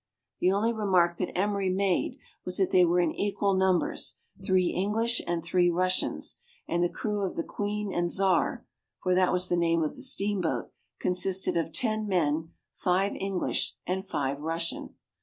The only remark that Emery made was that they were in equal numbers, three English and three Russians ; and the crew of the " Queen and Czar " (for that was the name of the steamboat) consisted of ten men, five Enghsh and five Russians.